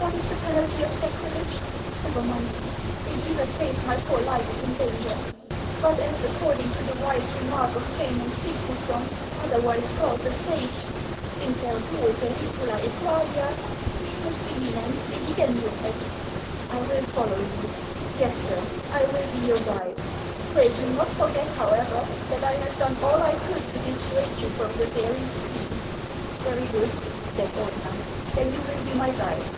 What is the penalty of sacrilege ? Never mind. In either case, my poor life is in danger ; but as, according to the wise remark of Saemond Sigfusson, other 94 MANS OF ICELAND. wise called the Sage, inter duo pcricula ccqualia, minus imminens eligcndum est, I will follow you. Yes, sir, 1 will be your guide. Tray do not forget, however, that I have done all I could to dissuade you from your daring scheme." " Very good," said Ordeuer. " Then you will be my guide.